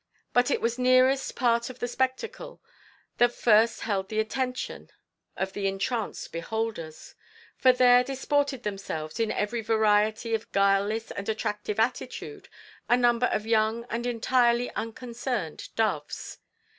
But it was the nearest part of the spectacle that first held the attention of the entranced beholders, for there disported themselves, in every variety of guileless and attractive attitude, a number of young and entirely unconcerned doves.